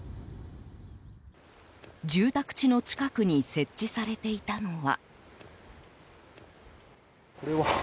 住宅地の近くに設置されていたのは。